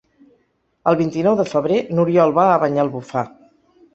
El vint-i-nou de febrer n'Oriol va a Banyalbufar.